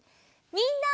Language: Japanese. みんな！